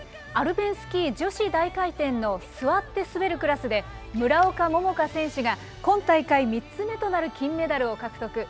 アルペンスキー女子大回転の座って滑るクラスで、村岡桃佳選手が、今大会３つ目となる金メダルを獲得。